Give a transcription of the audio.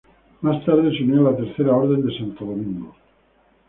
Más tarde se unió a la Tercera Orden de Santo Domingo.